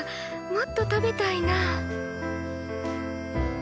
もっと食べたいなあ。